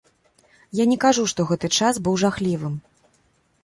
Я не кажу, што гэты час быў жахлівым.